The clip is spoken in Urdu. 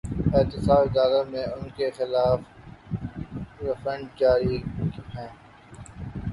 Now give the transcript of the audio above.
احتساب عدالت میں ان کے خلاف ریفرنس جاری ہیں۔